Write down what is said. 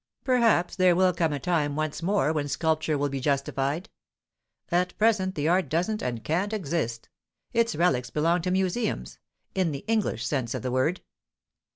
Perhaps there will come a time once more when sculpture will be justified; at present the art doesn't and can't exist. Its relics belong to museums in the English sense of the word."